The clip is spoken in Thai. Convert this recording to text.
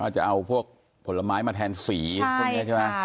จะเอาพวกผลไม้มาแทนสีใช่ค่ะ